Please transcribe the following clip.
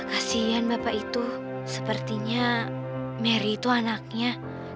kasian bapak itu sepertinya mary itu anaknya